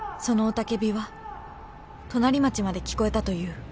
［その雄叫びは隣町まで聞こえたという］